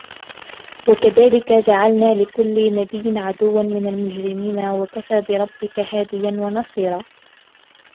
وكذلك جعلنا لكل نبي عدوا من المجرمين وكفى بربك هاديا ونصيرا